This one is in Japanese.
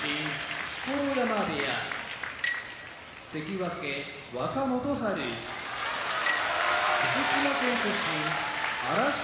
錣山部屋関脇・若元春福島県出身荒汐